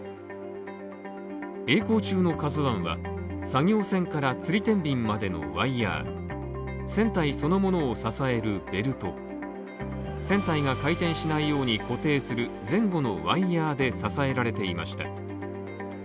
えい航中の「ＫＡＺＵ１」は作業船から吊り天秤までのワイヤー船体そのものを支えるベルト船体が回転しないように固定する前後のワイヤーで支えられていました。